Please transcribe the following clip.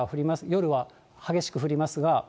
夜は激しく降りますが。